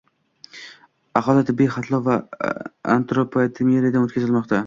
Aholi tibbiy xatlov va antropometriyadan o‘tkazilmoqda